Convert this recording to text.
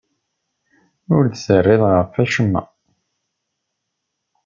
Ur d-terriḍ ɣef wacemma.